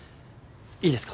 いいですか？